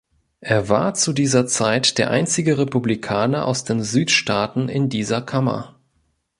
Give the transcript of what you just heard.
Er war zu dieser Zeit der einzige Republikaner aus den Südstaaten in dieser Kammer.